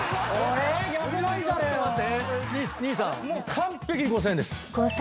完璧に５，０００円です。